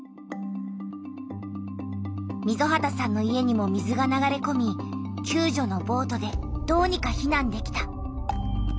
溝端さんの家にも水が流れこみきゅう助のボートでどうにか避難できた。